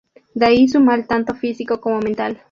De ahí su mal tanto físico como mental.